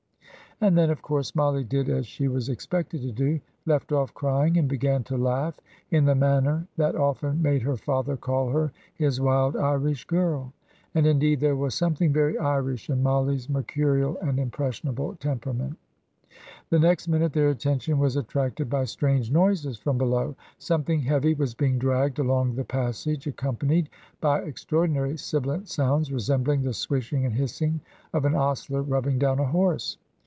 And then, of course, Mollie did as she was expected to do, left off crying and began to laugh in the manner that often made her father call her "his wild Irish girl." And, indeed, there was something very Irish in Mollie's mercurial and impressionable temperament. The next minute their attention was attracted by strange noises from below. Something heavy was being dragged along the passage, accompanied by extraordinary sibilant sounds, resembling the swishing and hissing of an ostler rubbing down a horse.